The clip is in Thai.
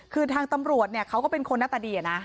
คือทางตำรวจเนี่ยเขาก็เป็นคนหน้าตาดีอะนะ